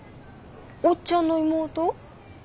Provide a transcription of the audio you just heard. おっちゃんの妹？